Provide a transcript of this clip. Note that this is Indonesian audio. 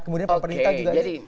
kemudian pak perdita juga ini